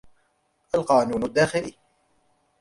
القانون الداخلي